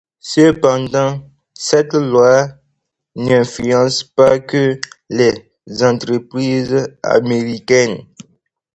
Cependant, cette loi n'influence pas que les entreprises américaines.